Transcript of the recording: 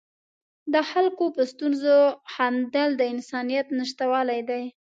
د خلکو په ستونزو خندل د انسانیت نشتوالی دی.